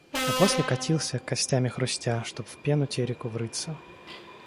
А после катился, костями хрустя, чтоб в пену Тереку врыться.